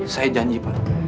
saya janji pak